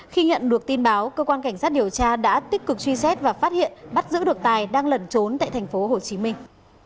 khi nhận được tin báo cơ quan cảnh sát điều tra đã tích cực truy xét và phát hiện bắt giữ được tài đang lẩn trốn tại thành phố hồ chí minh